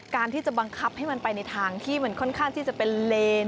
การที่จะบังคับให้มันไปในทางที่มันค่อนข้างที่จะเป็นเลน